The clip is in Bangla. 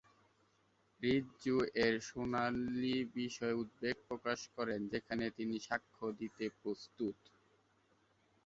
রিক জো এর শুনানির বিষয়ে উদ্বেগ প্রকাশ করেন, যেখানে তিনি সাক্ষ্য দিতে প্রস্তুত।